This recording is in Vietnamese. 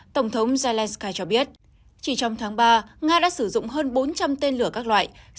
tổng thống zelensky cho biết chỉ trong tháng ba nga đã sử dụng hơn bốn trăm linh tên lửa các loại